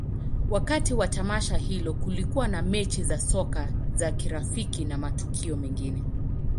Wakati wa tamasha hilo, kulikuwa na mechi za soka za kirafiki na matukio mengine.